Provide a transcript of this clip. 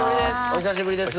お久しぶりです。